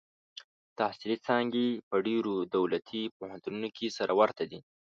تحصیلي څانګې په ډېرو دولتي پوهنتونونو کې سره ورته دي.